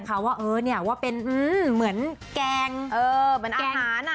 เขาเราก็ไปพอทเรียบร้อย